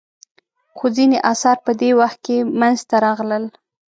خو ځینې اثار په دې وخت کې منځته راغلل.